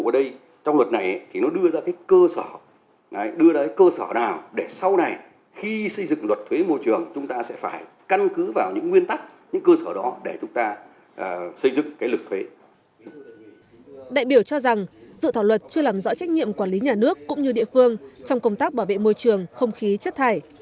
đại biểu cho rằng dự thảo luật chưa làm rõ trách nhiệm quản lý nhà nước cũng như địa phương trong công tác bảo vệ môi trường không khí chất thải